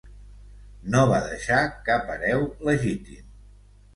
No va deixar cap hereu legítim.